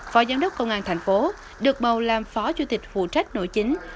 phó giám đốc công an tp hcm được bầu làm phó chủ tịch phụ trách nội chính